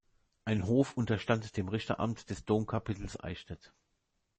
Ein Hof unterstand dem Richteramt des Domkapitels Eichstätt.